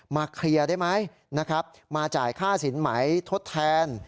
เคลียร์ได้ไหมนะครับมาจ่ายค่าสินไหมทดแทน